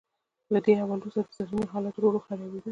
له دې احوال وروسته د زرینې حالات ورو ورو خرابیدل.